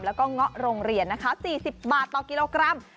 แล้วก็เงาะโรงเรียนนะคะ๔๐บาทต่อกิโลกรัม